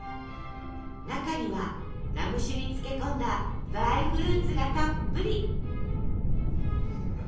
中にはラム酒に漬け込んだドライフルーツがたっぷり！